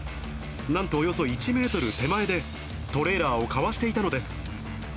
なんとおよそ１メートル手前でトレーラーをかわしていたのです。